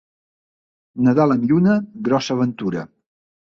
Nadal amb lluna, grossa ventura.